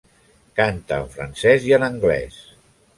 Canta en francès i en anglès.